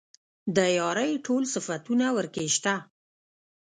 د يارۍ ټول صفتونه ورکې شته.